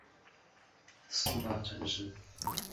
是该省人口第四大城市。